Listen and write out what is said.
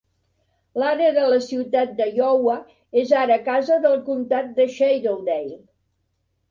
L'àrea de la ciutat d'Iowa és ara casa del comtat de Shadowdale.